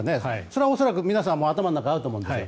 それは恐らく、皆さんも頭の中にあると思うんです。